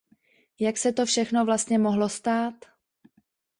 Jak se to všechno vlastně mohlo stát?